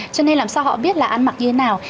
cho nên làm sao họ biết là ăn mặc như thế nào